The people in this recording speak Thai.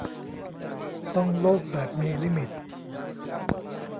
ต้องโลภแบบมีลิมิต